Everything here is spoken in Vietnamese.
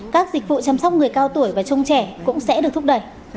các dịch vụ chăm sóc người cao tuổi và trông trẻ cũng sẽ được thúc đẩy